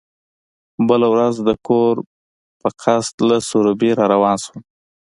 بله ورځ د کور په قصد له سروبي را روان شوم.